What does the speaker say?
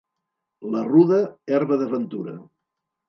La ruda, herba de ventura.